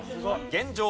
現状